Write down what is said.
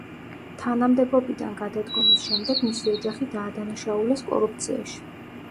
თანამდებობიდან გადადგომის შემდეგ მისი ოჯახი დაადანაშაულეს კორუფციაში.